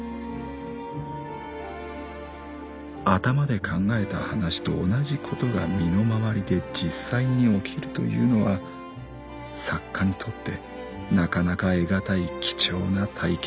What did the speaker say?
「頭で考えた話と同じことが身の回りで実際に起きるというのは作家にとってなかなか得難い貴重な体験なのである」。